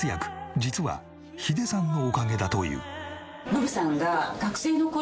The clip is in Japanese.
実はヒデさんのおかげだという。